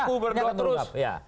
aku berdoa terus